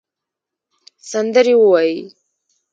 سندرې ووایې